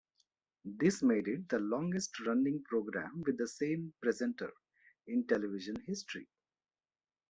This made it the longest-running programme with the same presenter in television history.